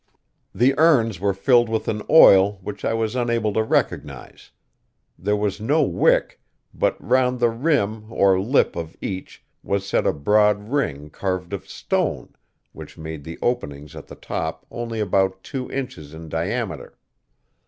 The urns were filled with an oil which I was unable to recognize. There was no wick, but round the rim or lip of each was set a broad ring carved of stone, which made the opening at the top only about two inches in diameter.